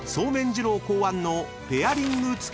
二郎考案のペアリングつけ